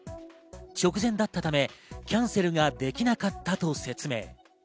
直前だったためキャンセルができなかったと説明。